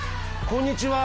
・こんにちは。